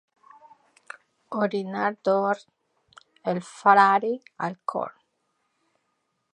Orina d'or, el frare al cor.